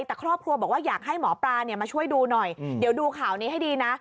แต่ครอบครัวบอกว่าอยากให้หมอปลามาช่วยดูหน่อยเดี๋ยวดูข่าวนี้ให้ดีนะ